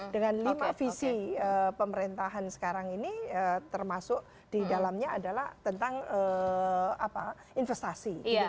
dengan lima visi pemerintahan sekarang ini termasuk di dalamnya adalah tentang investasi